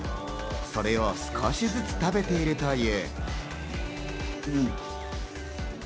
それを少しずつ食べているという。